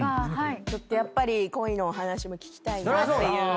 ちょっとやっぱり恋のお話も聞きたいなっていうことでね。